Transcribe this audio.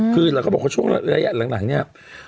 คือเราก็บอกว่าช่วงระยะหลังเนี่ย